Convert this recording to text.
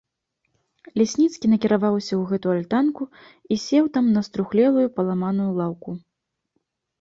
Лясніцкі накіраваўся ў гэту альтанку і сеў там на струхлелую паламаную лаўку.